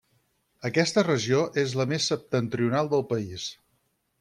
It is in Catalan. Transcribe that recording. Aquesta regió és la més septentrional del país.